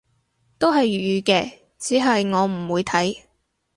都係粵語嘅，只係我唔會睇